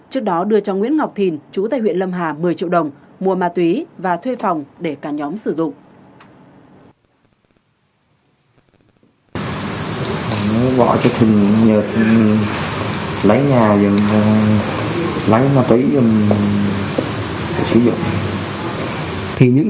trước đó đưa cho nguyễn ngọc thìn chú tại huyện lâm hà một mươi triệu đồng mua ma túy và thuê phòng để cả nhóm sử dụng